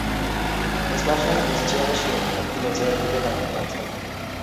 ওসমান সাহেব ইজিচেয়ারে শুয়ে থাকা ফিরোজের দিকে তাকিয়ে আছেন।